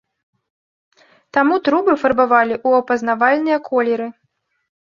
Таму трубы фарбавалі ў апазнавальныя колеры.